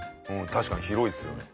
確かに広いですよね。